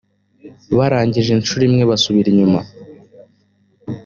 barangije incuro imwe basubira inyuma